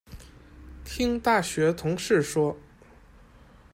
听大学同事说